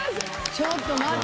ちょっと待って。